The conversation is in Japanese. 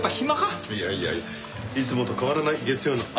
いやいやいつもと変わらない月曜の朝ですが？